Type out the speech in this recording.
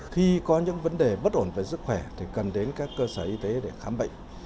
khi có những vấn đề bất ổn về sức khỏe thì cần đến các cơ sở y tế để khám bệnh